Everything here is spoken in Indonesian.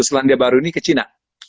selandia baru ini ke china